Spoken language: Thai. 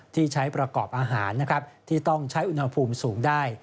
ที่ใช้ประกอบอาหารนะครับที่ต้องใช้อุณหภูมิสูงได้